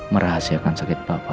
merahasiakan sakit papa